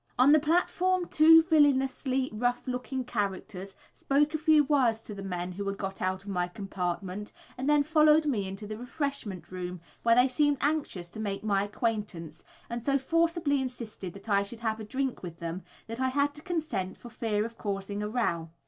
On the platform two villainously rough looking characters spoke a few words to the men who had got out of my compartment and then followed me into the refreshment room, where they seemed anxious to make my acquaintance, and so forcibly insisted that I should have a drink with them, that I had to consent for fear of causing a row.